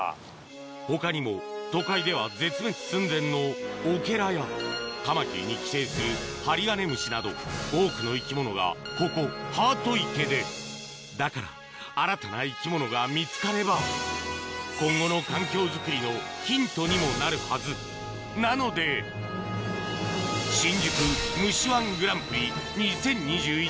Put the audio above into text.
他にも都会では絶滅寸前のオケラやカマキリに寄生するハリガネムシなど多くの生き物がここハート池でだから新たな生き物が見つかれば今後の環境づくりのヒントにもなるはずなので新宿虫−１グランプリ２０２１